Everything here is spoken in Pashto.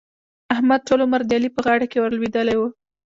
احمد؛ ټول عمر د علي په غاړه کې ور لوېدلی وو.